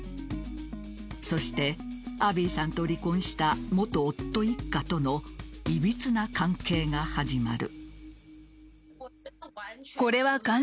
そして、アビーさんと離婚した元夫一家とのいびつな関係が始まる。